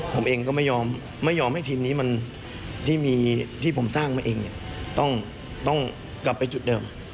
ผมเองก็ไม่ยอมให้ทีมนี้มันที่ผมสร้างมาเองเนี่ยต้องกลับไปจุดเดิม